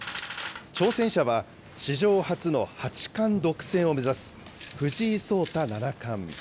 挑戦者は史上初の八冠独占を目指す、藤井聡太七冠。